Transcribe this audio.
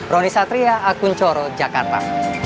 roni satria akun coro jakarta